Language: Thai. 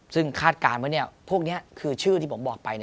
ซึ่งคาดการณ์ว่าพวกนี้คือชื่อที่ผมบอกไป